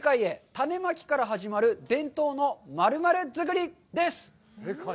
種まきから始まる伝統の○○作り」です。